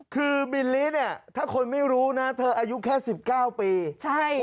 คือบิลลิเนี่ยถ้าคนไม่รู้นะเธออายุแค่๑๙ปี